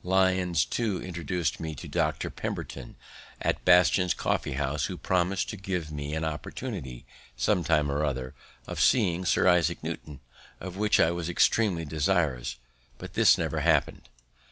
Lyons, too, introduced me to Dr. Pemberton, at Batson's Coffee house, who promis'd to give me an opportunity, sometime or other, of seeing Sir Isaac Newton, of which I was extreamly desirous; but this never happened.